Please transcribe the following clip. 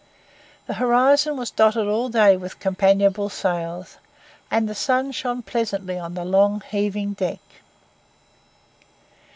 The horizon was dotted all day with companionable sails, and the sun shone pleasantly on the long, heaving deck.